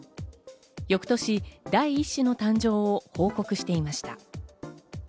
翌年、第１子の誕生を報告していました。